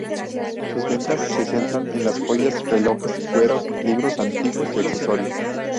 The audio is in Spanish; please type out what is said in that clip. Sus ventas se centran en las joyas, relojes, cueros, libros antiguos y accesorios.